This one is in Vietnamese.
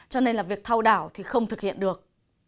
cho nên là việc thao đảo thì không thực hiện được